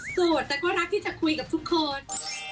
โสดแต่ก็รักที่จะคุยกับทุกคน